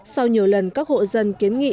sau nhiều lần các hộ dân kiến nghị